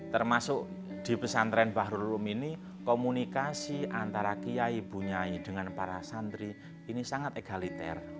termasuk di pesantren bahrul rum ini komunikasi antara kiai bunyai dengan para santri ini sangat egaliter